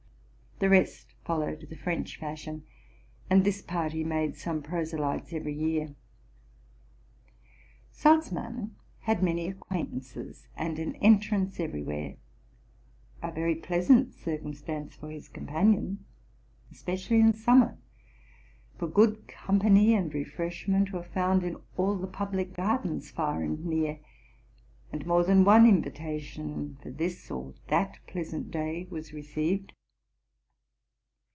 The rest followed the French fashion, and this party made some proselytes every year. Salzmann had many acquaintances and an entrance every where: a very pleasant circumstance for his companion, es pecially in summer, for good company and refreshment were found in all the public gardens far and near, and more than one invitation for this or that pleasant day was received.